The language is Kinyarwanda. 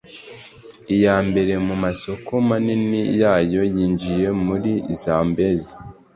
iya mbere mu masoko manini yayo yinjiye muri zambezi